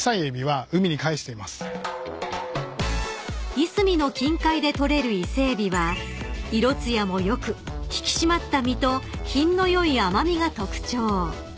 ［いすみの近海で捕れる伊勢エビは色つやも良く引き締まった身と品の良い甘味が特徴］